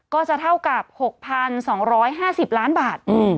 ก็จะเท่ากับ๖๒๕๐ล้านบาท